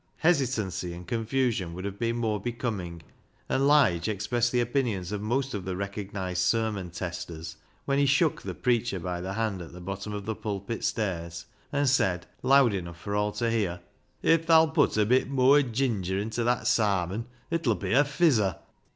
Hesitancy and confusion would have been more becoming, and Lige expressed the opinions of most of the recognised sermon testers when he shook the preacher by the hand at the bottom of the pulpit stairs, and said, loud enough for all to hear —" If tha'll put a bit mooar ginger into that sarmon, it 'ull be a fizzer."